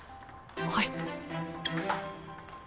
はい。